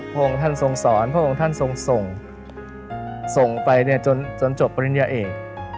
พวกท่านส่งสอนพวกท่านส่งส่งส่งไปจนจบปริญญาเอก